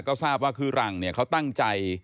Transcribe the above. ก็ทราบว่าคือหลังเนี่ยเขาตั้งใจ